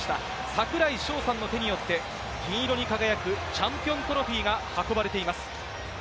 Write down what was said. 櫻井翔さんの手によって銀色に輝くチャンピオントロフィーが運ばれています。